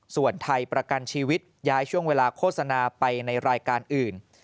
ส่วนไทยประกันชีวิตย้ายช่วงเวลาโฆษณาไปในรายการอื่น